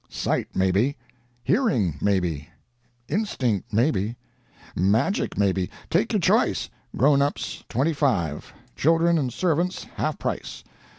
"Sight, maybe. Hearing, maybe. Instinct, maybe. Magic, maybe. Take your choice grownups, twenty five; children and servants, half price.